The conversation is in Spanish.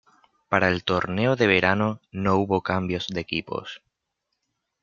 Para el torneo de Verano no hubo cambios de equipos.